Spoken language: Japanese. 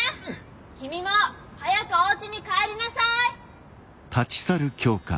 君も早くおうちに帰りなさい！